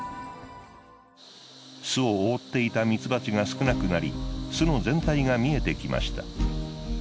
巣を覆っていたミツバチが少なくなり巣の全体が見えてきました。